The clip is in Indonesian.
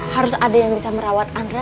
harus ada yang bisa merawat andra